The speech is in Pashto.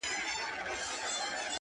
جوارو او غنمو مخلوط ډوډۍ جوړېږي.